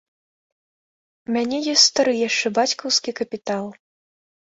У мяне ёсць стары, яшчэ бацькаўскі, капітал.